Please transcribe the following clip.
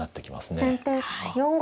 先手４五歩。